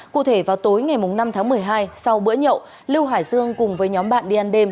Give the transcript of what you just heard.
cụ thể vào tối ngày năm tháng một mươi hai sau bữa nhậu lưu hải dương cùng với nhóm bạn đi ăn đêm